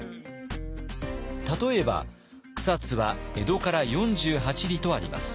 例えば草津は「江戸から四十八里」とあります。